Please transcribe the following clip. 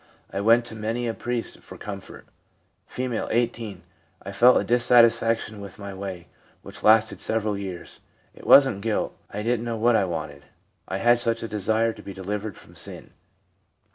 I went to many a priest for comfort/ R, 18. 'I felt a dissatisfaction with my way, which lasted several years. It wasn't guilt. I didn't know what I wanted. I had such a desire to be delivered from sin.'